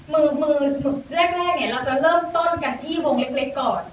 มือแรกเนี่ยเราจะเริ่มต้นกันที่วงเล็กก่อน